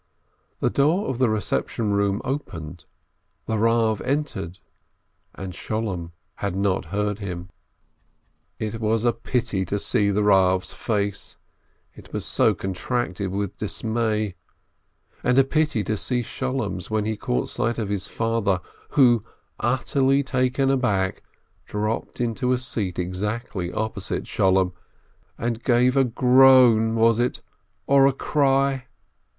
The door of the reception room opened, the Rav entered, and Sholem had not heard him. It was a pity to see the Rav's face, it was so con tracted with dismay, and a pity to see Sholem's when he caught sight of his father, who, utterly taken aback, dropt into a seat exactly opposite Sholem, and gave a groan — was it ? or a cry